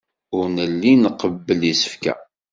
Ur nelli nqebbel isefka.